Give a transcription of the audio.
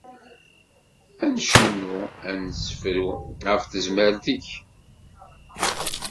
Ad n-necnu, an-nessefru ɣef tezmert-ik.